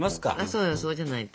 そうよそうじゃないと。